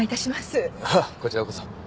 あっこちらこそ。